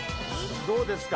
どうですか？